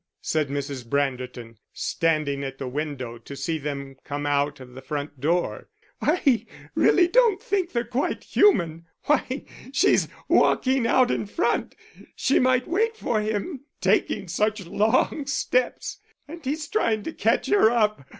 said Mrs. Branderton, standing at the window to see them come out of the front door. "I really don't think they're quite human.... Why, she's walking on in front she might wait for him taking such long steps; and he's trying to catch her up.